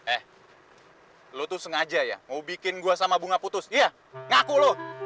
eh lo tuh sengaja ya mau bikin gua sama bunga putus iya ngaku lo